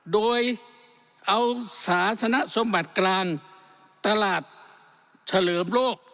โดยเอาสาธนสมบัติกลางตลาดเฉลิมโลก